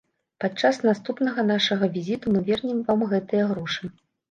Падчас наступнага нашага візіту мы вернем вам гэтыя грошы.